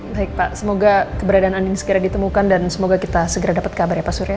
baik pak semoga keberadaan andin segera ditemukan dan semoga kita segera dapat kabar ya pak surya